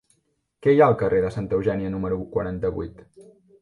Què hi ha al carrer de Santa Eugènia número quaranta-vuit?